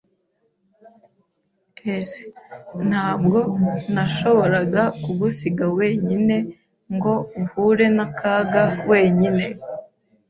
[S] Ntabwo nashoboraga kugusiga wenyine ngo uhure n'akaga wenyine.